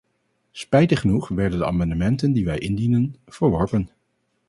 Spijtig genoeg werden de amendementen die wij indienden, verworpen.